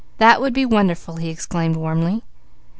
"That would be wonderful!" he exclaimed warmly.